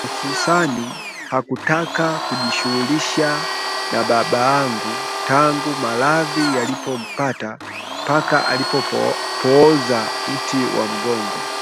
Hususan, hakutaka kujishughulisha na babangu tangu maradhi yalipompata mpaka alipopooza uti wa mgomo